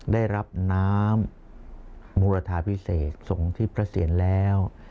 ได้รับน้ำมูลธาพิเศษส่งที่พระเสียรแล้ว